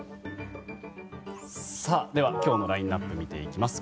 今日のラインアップを見ていきます。